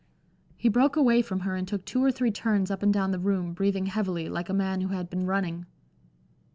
He broke away from her and took two or three turns up and down the room, breathing heavily, like a man who had been running.